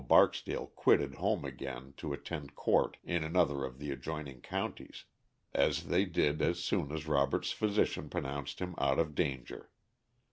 Barksdale quitted home again to attend court in another of the adjoining counties, as they did as soon as Robert's physician pronounced him out of danger.